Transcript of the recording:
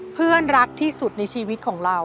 เพื่อนรักที่สุดในชีวิตของเรา